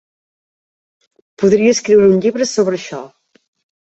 Podria escriure un llibre sobre això.